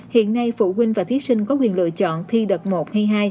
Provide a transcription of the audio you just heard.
hiện nay phụ huynh và thí sinh có quyền lựa chọn thi đợt một hay hai